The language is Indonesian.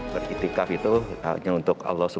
beriktikaf itu hanya untuk allah swt